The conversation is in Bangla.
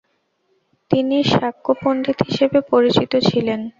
তিনি সাক্য পণ্ডিত হিসেবে পরিচিত ছিলেন।